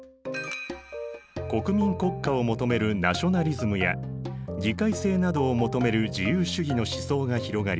国民国家を求めるナショナリズムや議会制などを求める自由主義の思想が広がり